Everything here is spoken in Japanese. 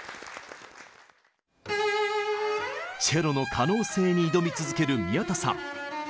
チェロの可能性に挑み続ける宮田さん。